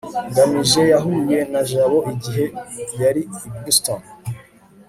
ngamije yahuye na jabo igihe yari i boston